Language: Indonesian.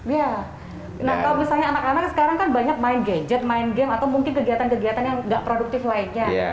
ya nah kalau misalnya anak anak sekarang kan banyak main gadget main game atau mungkin kegiatan kegiatan yang nggak produktif lainnya